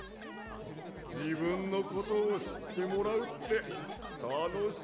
じぶんのことをしってもらうってたのしいんだな！